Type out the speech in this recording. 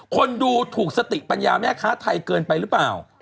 คนดูถูกสติปัญญาแม่ค้าไทยเกินไปหรือเปล่า